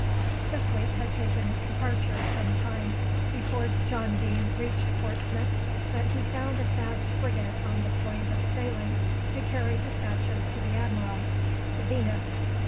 The fleet had taken its departure some time before John Deane reached Portsmouth, but he found a fast frigate on the point of sailing to carry despatches to the admiral, the "Venus."